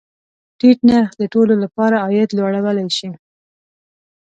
ټیټ نرخ د ټولو له پاره عاید لوړولی شي.